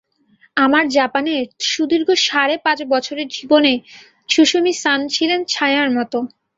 আমার জাপানের সুদীর্ঘ সাড়ে পাঁচ বছরের জীবনে সুসুমি সান ছিলেন ছায়ার মতো।